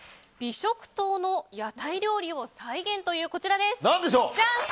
美食島の屋台料理を再現というこちらです。